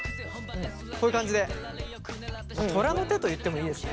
こういう感じで虎の手と言ってもいいですね。